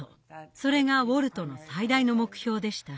それがウォルトの最大の目標でした。